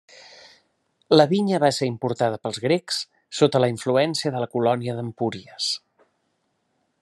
La vinya va ser importada pels grecs, sota la influència de la colònia d'Empúries.